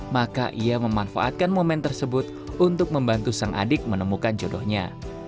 maka ia memanfaatkan momen tersebut untuk membantu sang adik menemukan jodohnya